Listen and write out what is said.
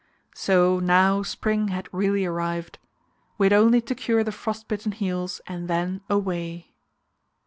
So now spring had really arrived; we had only to cure the frost bitten heels and then away.